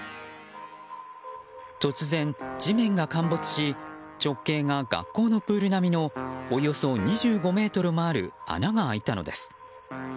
突然、地面が陥没し直径が学校のプール並みのおよそ２５ｍもある穴が開いたのです。